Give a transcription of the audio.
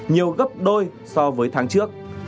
nhiều gấp đôi so với tháng trước